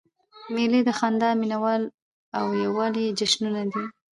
مېلې د خندا، مینوالۍ او یووالي جشنونه دي.